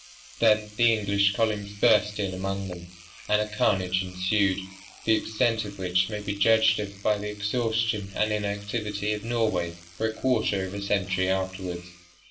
Then the English columns burst in among them, and a carnage ensued, the extent of which may be judged of by the exhaustion and inactivity of Norway for a quarter of a century afterwards.